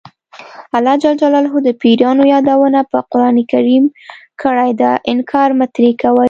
الله ج د پیریانو یادونه په قران کې کړې ده انکار مه ترې کوئ.